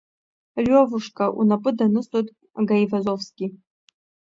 Лиовушка, унапы данысҵоит Гаивазовски.